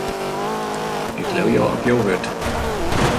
Ik leau jo op jo wurd.